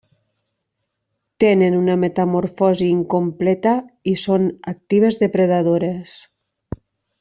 Tenen una metamorfosi incompleta i són actives depredadores.